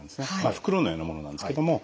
袋のようなものなんですけども。